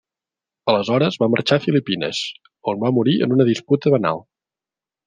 Aleshores va marxar a Filipines, on va morir en una disputa banal.